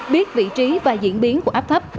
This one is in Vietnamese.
biết vị trí và diễn biến của áp thấp